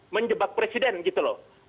menjebak presiden gitu lho